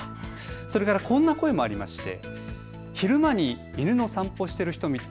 それから、こんな声もありまして。